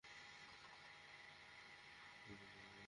হ্যাঁ ভাই, সানির আওয়াজ তো বোঝাই যাচ্ছে, কিন্তু দেওলের না।